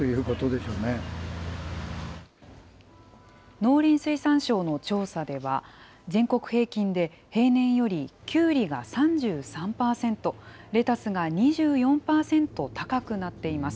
農林水産省の調査では、全国平均で平年よりきゅうりが３３％、レタスが２４％高くなっています。